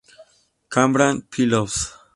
Cambridge Philos.